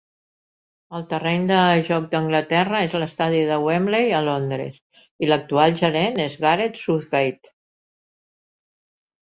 El terreny de joc d'Anglaterra és l'estadi de Wembley, a Londres, i l'actual gerent és Gareth Southgate.